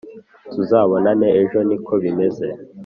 tuzabonane ejo niko bimeze